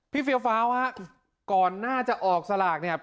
เฟียวฟ้าวฮะก่อนหน้าจะออกสลากเนี่ย